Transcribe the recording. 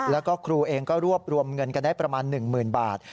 แล้วก็ครูเองก็รวบรวมเงินกันได้ประมาณ๑๐๐๐บาท